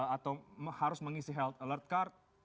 atau harus mengisi health alert card